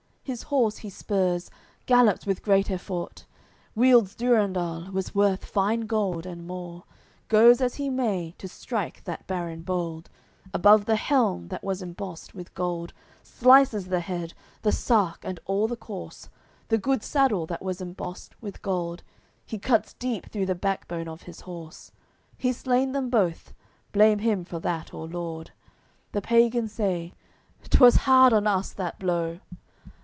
His horse he spurs, gallops with great effort, Wields Durendal, was worth fine gold and more, Goes as he may to strike that baron bold Above the helm, that was embossed with gold, Slices the head, the sark, and all the corse, The good saddle, that was embossed with gold, And cuts deep through the backbone of his horse; He's slain them both, blame him for that or laud. The pagans say: "'Twas hard on us, that blow."